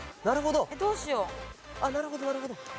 なるほどなるほど。